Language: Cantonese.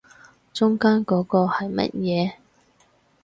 中間嗰個係乜嘢